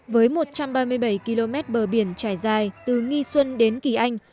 với một trăm ba mươi bảy km bờ biển trải dài từ nghi xuân đến kỳ anh